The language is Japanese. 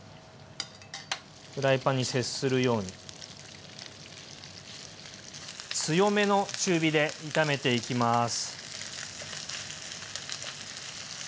フライパンに接するように強めの中火で炒めていきます。